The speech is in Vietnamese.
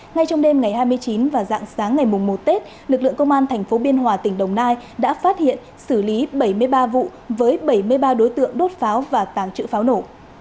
ngay trong đêm ngày hai mươi chín và dạng sáng ngày mùng một tết lực lượng công an tp biên hòa tỉnh đồng nai đã phát hiện xử lý bảy mươi ba vụ với bảy mươi ba đối tượng đốt pháo và tàng trữ pháo nổ